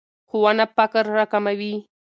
ښوونه فقر راکموي.